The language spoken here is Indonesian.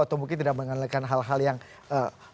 atau mungkin tidak mengenalkan hal hal yang bagus